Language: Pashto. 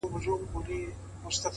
دې جوارۍ کي د بايللو کيسه ختمه نه ده;